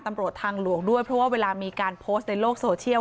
ตำรวจทางหลวงด้วยเพราะว่าเวลามีการโพสต์ในโลกโซเชียล